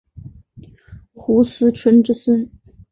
斛斯椿之孙。